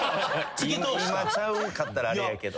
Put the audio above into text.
今ちゃうかったらあれやけど。